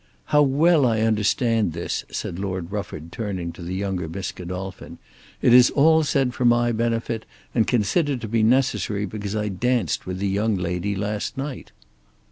"How well I understand all this," said Lord Rufford turning to the younger Miss Godolphin. "It is all said for my benefit, and considered to be necessary because I danced with the young lady last night."